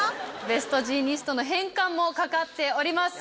ベストジーニストの返還も懸かっております。